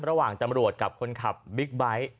ระหว่างตำรวจกับคนขับบิ๊กไบท์